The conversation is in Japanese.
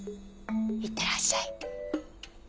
「いってらっしゃい」。